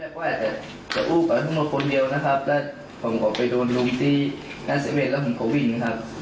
ก็อาจจะอู้กกับทั้งหมดคนเดียวนะครับแล้วผมก็ไปโดนลุมที่นัสเซเวทและหุ่นโควิ่งนะครับ